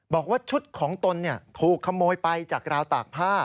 บอกว่าชุดของตนถูกขโมยไปจากราวตากผ้า